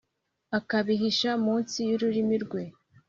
akabihisha munsi y’ururimi rwe,